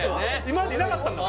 今までいなかったんだ